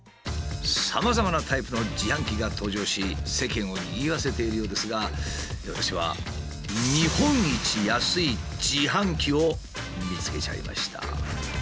さまざまなタイプの自販機が登場し世間をにぎわせているようですが私は日本一安い自販機を見つけちゃいました。